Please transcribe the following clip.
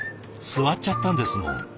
座っちゃったんですもん。